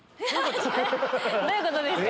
どういうことですか